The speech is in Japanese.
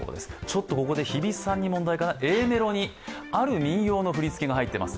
ちょっとここで日比さんに問題かな、Ａメロにある民謡の振り付けが入っています。